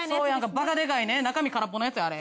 バカでかいね中身空っぽのやつあれ。